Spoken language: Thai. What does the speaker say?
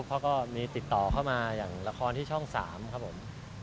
เพราะก็มีติดต่อเข้ามาอย่างละครที่ช่อง๓ครับผม